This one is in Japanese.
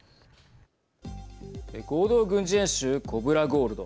合同軍事演習コブラ・ゴールド。